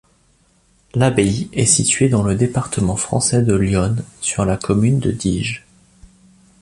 L'abbaye est située dans le département français de l'Yonne, sur la commune de Diges.